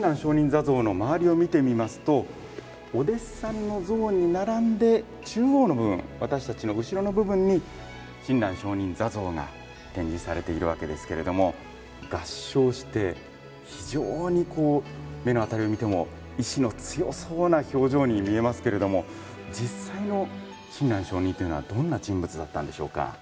坐像の周りを見てみますとお弟子さんの像に並んで中央の部分、私たちの後ろの部分に親鸞聖人坐像が展示されているわけですけれども、合掌して非常にこう目の辺りを見ても意志の強そうな表情に見えますけれども実際の親鸞聖人というのはどんな人物だったんでしょうか。